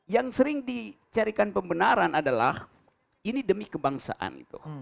yang sering dicarikan pembenaran adalah ini demi kebangsaan